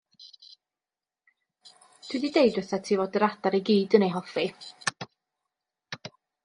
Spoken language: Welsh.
Dw i 'di dweud wrthat ti fod yr adar i gyd yn ei hoffi.